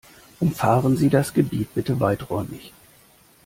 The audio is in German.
Umfahren Sie das Gebiet bitte weiträumig.